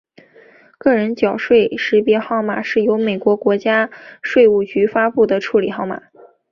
个人纳税识别号码是由美国国家税务局发布的处理号码。